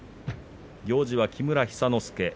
行司は木村寿之介。